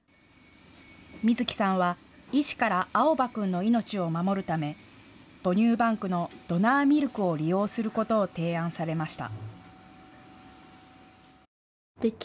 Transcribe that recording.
みずきさんは医師から蒼波君の命を守るため母乳バンクのドナーミルクを利用することを提案されました。